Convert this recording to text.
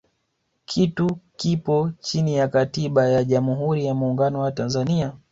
kitu kipo chini ya katiba ya jamhuri ya muungano wa tanzania